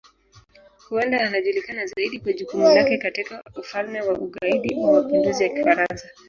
Huenda anajulikana zaidi kwa jukumu lake katika Ufalme wa Ugaidi wa Mapinduzi ya Kifaransa.